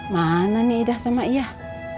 mana nih idah sama iyah